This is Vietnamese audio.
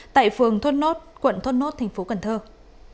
tại phường thốt nốt quận thốt nốt tp hcm